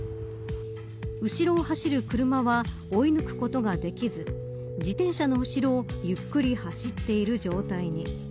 後ろを走る車は追い抜くことができず自転車の後ろをゆっくり走っている状態に。